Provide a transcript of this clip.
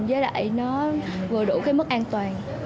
với lại nó vừa đủ cái mức an toàn